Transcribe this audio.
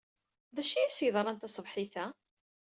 D acu ay as-yeḍran taṣebḥit-a?